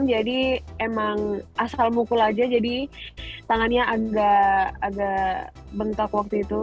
jadi emang asal mukul aja jadi tangannya agak bengkak waktu itu